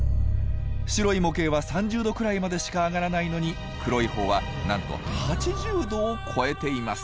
白い模型は３０℃くらいまでしか上がらないのに黒い方はなんと８０℃を超えています。